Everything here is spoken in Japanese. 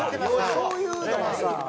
そういうのがさ。